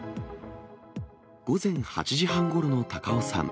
午前８時半ごろの高尾山。